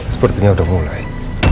sepertinya udah mulai